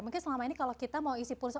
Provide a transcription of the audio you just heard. mungkin selama ini kalau kita mau isi pulsa